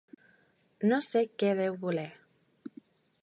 No sé què deu voler.